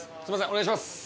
お願いします